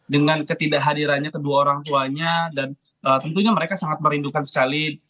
dengan ketidakhadirannya kedua orang tuanya dan tentunya mereka sangat merindukan sekali